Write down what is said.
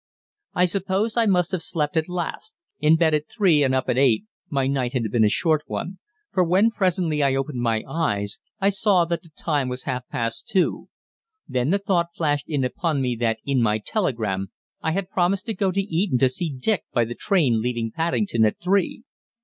I suppose I must have slept at last in bed at three and up at eight, my night had been a short one for when presently I opened my eyes I saw that the time was half past two. Then the thought flashed in upon me that in my telegram I had promised to go to Eton to see Dick by the train leaving Paddington at three.